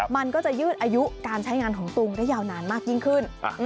มันก็จะยืดอายุการใช้งานของตุงได้ยาวนานมากยิ่งขึ้น